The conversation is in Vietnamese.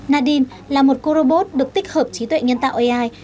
nadin là một cô robot được tích hợp trí tuệ nhân tạo ai